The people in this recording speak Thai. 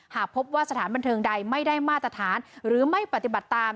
หากพบว่าสถานบันเทิงใดไม่ได้มาตรฐานหรือไม่ปฏิบัติตาม